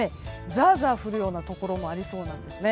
ザーザー降るようなところもありそうです。